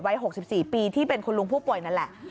๖๔ปีที่เป็นคุณลุงผู้ป่วยนั่นแหละ